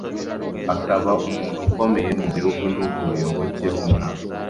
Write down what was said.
akaba umuntu ukomeye mu gihugu n'umuyoboke w'umwami